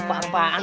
tidak ada apa apaan